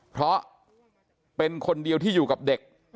เพราะเป็นคนเดียวที่อยู่กับเด็ก